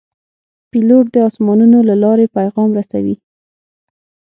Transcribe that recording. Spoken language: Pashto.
پیلوټ د آسمانونو له لارې پیغام رسوي.